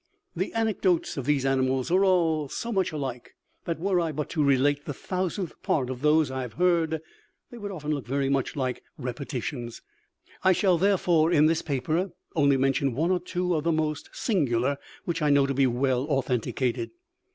"The anecdotes of these animals are all so much alike, that were I but to relate the thousandth part of those I have heard, they would often look very much like repetitions. I shall therefore, in this paper, only mention one or two of the most singular, which I know to be well authenticated.